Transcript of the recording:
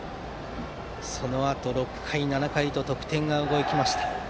そのあと６回、７回と得点が動きました。